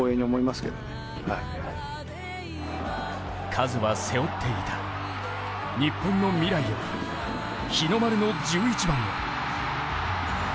カズは背負っていた、日本の未来を、日の丸の１１番を。